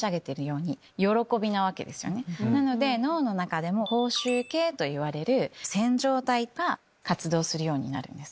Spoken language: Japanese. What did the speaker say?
なので脳の中でも報酬系といわれる線条体が活動するようになるんです。